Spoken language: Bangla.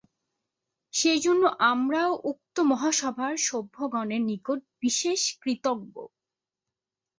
সেইজন্য আমরাও উক্ত মহাসভার সভ্যগণের নিকট বিশেষ কৃতজ্ঞ।